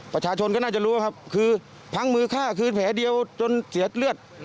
ประชาชนก็น่าจะรู้ครับคือพังมือฆ่าคือแผลเดียวจนเสียเลือด